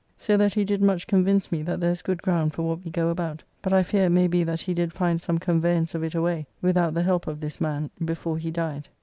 So that he did much convince me that there is good ground for what we go about. But I fear it may be that he did find some conveyance of it away, without the help of this man, before he died.